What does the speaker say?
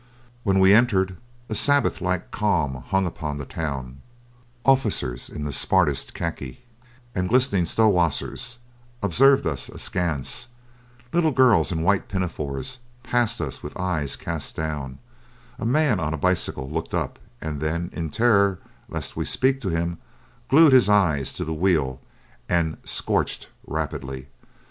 When we entered, a Sabbath like calm hung upon the town; officers in the smartest khaki and glistening Stowassers observed us askance, little girls in white pinafores passed us with eyes cast down, a man on a bicycle looked up, and then, in terror lest we might speak to him, glued his eyes to the wheel and "scorched" rapidly.